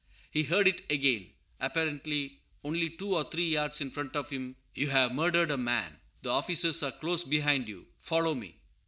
He heard it again, apparently only two or three yards in front of him "You have murdered a man; the officers are close behind you; follow me!"